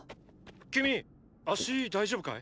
君足大丈夫かい？